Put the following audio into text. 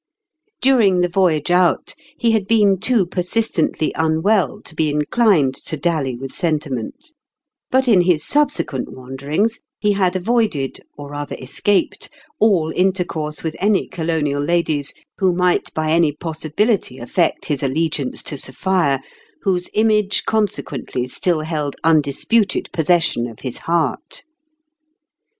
During the voyage out, he had been too per sistently unwell to be inclined to dally with sentiment ; but in his subsequent wanderings, he had avoided, or rather escaped, all inter course with any Colonial ladies who might by any possibility affect his allegiance to Sophia, whose image consequently still held undisputed possession of his heart.